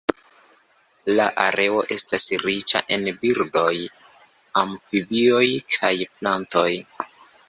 La areo estas riĉa en birdoj, amfibioj kaj plantoj.